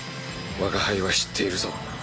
我が輩は知っているぞ。